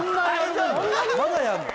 まだやんの？